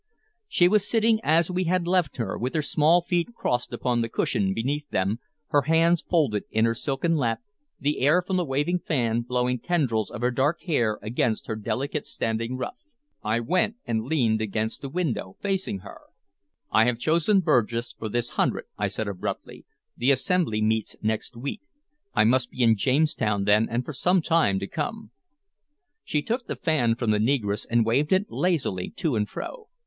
She was sitting as we had left her, with her small feet crossed upon the cushion beneath them, her hands folded in her silken lap, the air from the waving fan blowing tendrils of her dark hair against her delicate standing ruff. I went and leaned against the window, facing her. "I have been chosen Burgess for this hundred," I said abruptly. "The Assembly meets next week. I must be in Jamestown then and for some time to come." She took the fan from the negress, and waved it lazily to and fro.